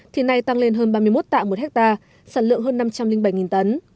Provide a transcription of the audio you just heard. thì nay tăng lên hơn ba mươi một tạ một hectare sản lượng hơn năm trăm linh bảy tấn